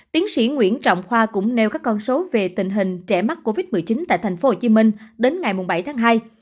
tiến sĩ nguyễn trọng khoa cũng nêu các con số về tình hình trẻ mắc covid một mươi chín tại tp hcm đến ngày bảy tháng hai